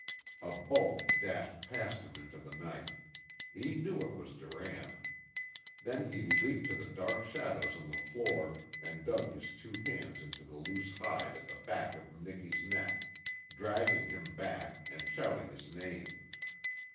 A bulk dashed past him into the night. He knew it was Durant. Then he leapt to the dark shadows on the floor and dug his two hands into the loose hide at the back of Miki's neck, dragging him back, and shouting his name.